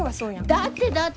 だってだって。